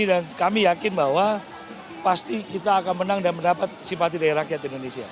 dan kami yakin bahwa pasti kita akan menang dan mendapat simpati dari rakyat indonesia